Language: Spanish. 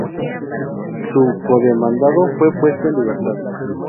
Su co-demandado fue puesto en libertad.